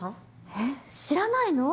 えっ知らないの？